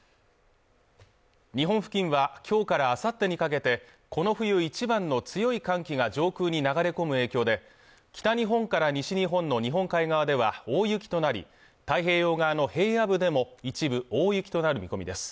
日本付近は今日から明後日にかけてこの冬一番の強い寒気が上空に流れ込む影響で北日本から西日本の日本海側では大雪となり太平洋側の平野部でも一部大雪となる見込みです